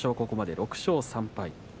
ここまで６勝３敗。